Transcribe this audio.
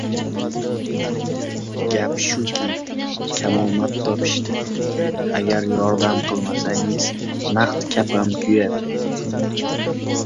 Gap shuki, kamomad topishdi. Agar yordam qilmasangiz, naq kapam kuyadi.